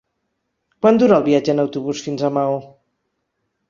Quant dura el viatge en autobús fins a Maó?